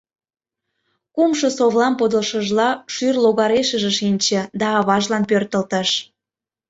Кумшо совлам подылшыжла, шӱр логарешыже шинче да аважлан пӧртылтыш.